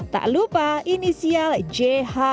tak lupa inisial jhjh